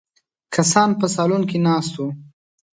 کسان په سالون کې ناست وو.